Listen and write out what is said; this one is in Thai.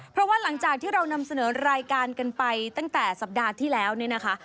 เพราะว่าหลังจากที่เรานำเสนอรายการกันไปตั้งแต่สัปดาห์ที่แล้วเนี่ยนะคะ